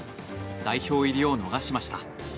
代表入りを逃しました。